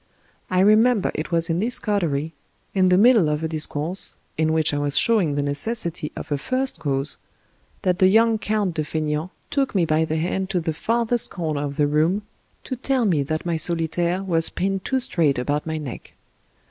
I remember it was in this coterie, in the middle of a dis course, in which I was showing the necessity of a first cause, that the young Count de Faineant took me by the hand to the farthest corner of the room, to tell me that my solitaire was pinned too strait about my neck.